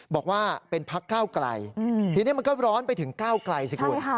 บอกว่าเป็นพักก้าวไกลทีนี้มันก็ร้อนไปถึงก้าวไกลสิคุณ